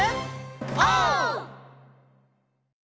オー！